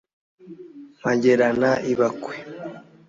Mpagerana ibakwe